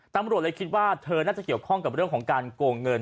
ตำรวจเลยคิดว่าเธอน่าจะเกี่ยวข้องกับเรื่องของการโกงเงิน